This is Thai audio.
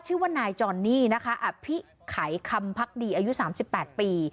ชื่อว่านายจอนนี่นะคะอภิไขคำพักดีอายุ๓๘ปี